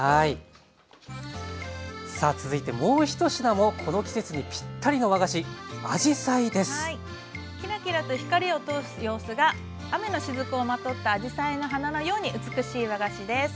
さあ続いてもう１品もこの季節にぴったりの和菓子キラキラと光を通す様子が雨の滴をまとったあじさいの花のように美しい和菓子です。